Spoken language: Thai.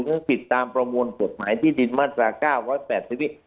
ก็ผิดตามประมวลบทหมายที่ดินมาตราเก้าวันแปดสิบวิทย์